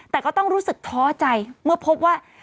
แต่ก็ต้องรู้สึกท้อใจเมื่อพบว่า